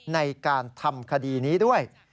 ในการทำคดีนี้ด้วย